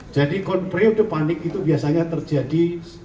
jadi periode panik itu biasanya terjadi